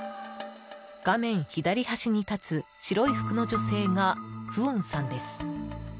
画面左端に立つ白い服の女性がフオンさんです。